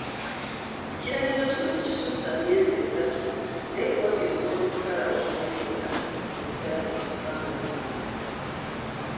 Ekiragiro kino tekisuusa myezi esatu, naye kkooti esobola okusalawo ekiseera ekitatuuka bbanga eryo.